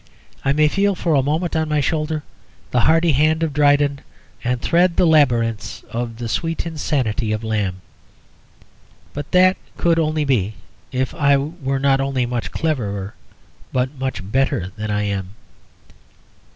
I may feel for a moment on my shoulder the hearty hand of Dryden and thread the labyrinths of the sweet insanity of Lamb. But that could only be if I were not only much cleverer, but much better than I am.